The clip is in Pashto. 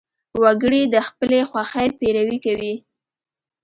وګړي د خپلې خوښې پیروي کوي.